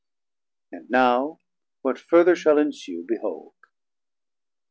And now what further shall ensue, behold.